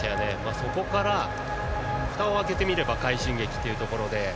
そこから、ふたを開けてみれば快進撃というところで。